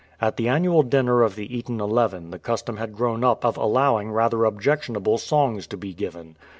At the annual dinner of the Eton Eleven the custom had grown up of allowing rather objectionable songs to be given.